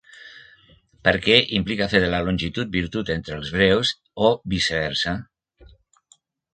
Perquè implica fer de la longitud virtut entre els breus o viceversa.